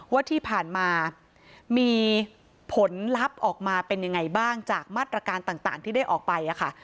ว่าที่ผ่านมามีผลลัพธ์ออกมาเป็นยังไงบ้างจากมาตรการต่างที่ได้ออกไปค่ะ